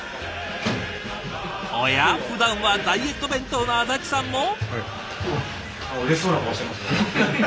おや？ふだんはダイエット弁当の安達さんも。